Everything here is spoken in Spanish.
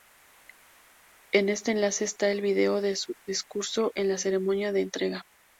En este enlace está el vídeo de su discurso en la ceremonia de entrega.